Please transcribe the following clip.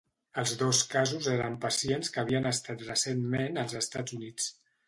Els dos casos eren pacients que havien estat recentment als Estats Units.